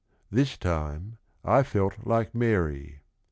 This time I felt like Mary."